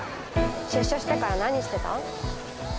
出所してから何してた？